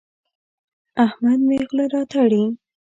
احمد مې خوله راتړي.